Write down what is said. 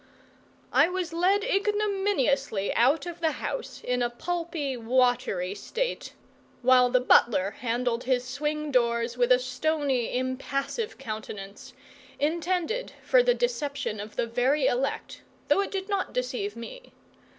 I was led ignominiously out of the house, in a pulpy, watery state, while the butler handled his swing doors with a stony, impassive countenance, intended for the deception of the very elect, though it did not deceive me.